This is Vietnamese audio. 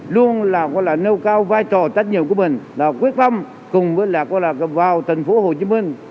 luôn là nêu cao vai trò trách nhiệm của mình là quyết phong cùng với là vào thành phố hồ chí minh